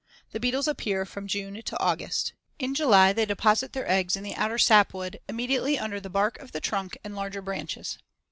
The beetles appear from June to August. In July they deposit their eggs in the outer sapwood, immediately under the bark of the trunk and larger branches.